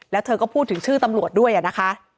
แล้วเธอก็พูดถึงชื่อตำรวจด้วยนะคะ